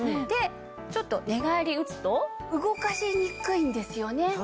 でちょっと寝返り打つと動かしにくいんですよね。